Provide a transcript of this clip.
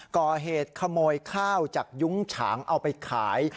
ก่อเหตุขโมยข้าวจากยุ้งฉางเอาไปขาย